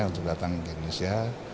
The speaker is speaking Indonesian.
untuk datang ke indonesia